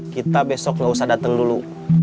kita besok gak usah datang dulu